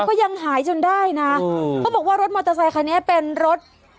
ก็ยังหายจนได้นะเขาบอกว่ารถมอเตอร์ไซคันนี้เป็นรถ